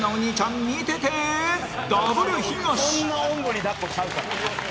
そんなおんぶに抱っこちゃうから。